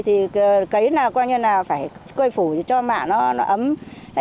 thì cấy là coi như là phải quây phủ cho mạ nó ấm